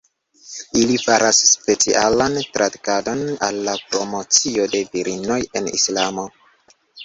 Ili faras specialan traktadon al la promocio de virinoj en Islamo.